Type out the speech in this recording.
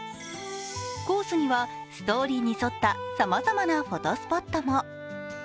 コースには、ストーリーに沿ったさまざまなフォトスポットも。